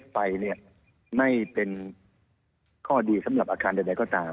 ฟัยไม่เป็นข้อดีสำหรับอาคารทั้งแต่ก็ตาม